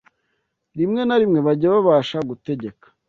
rimwe na rimwe bajya babasha gutegeka